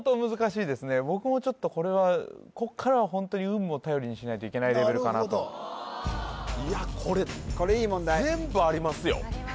僕もちょっとこれはこっからはホントに運も頼りにしないといけないレベルかなといやこれこれいい問題全部ありますよ